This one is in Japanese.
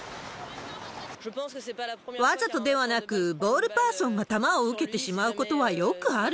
わざとではなく、ボールパーソンが球を受けてしまうことはよくある。